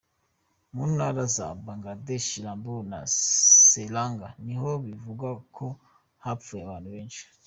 Mu ntara za Pandeglang, Lampung na Serang niho bivugwa ko hapfuye abantu benshi.